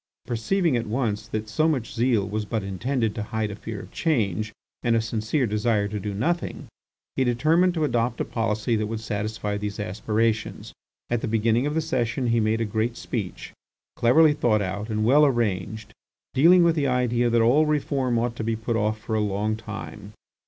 Perceiving at once that so much zeal was but intended to hide a fear of change, and a sincere desire to do nothing, he determined to adopt a policy that would satisfy these aspirations. At the beginning of the session he made a great speech, cleverly thought out and well arranged, dealing with the idea that all reform ought to be put off for a long time.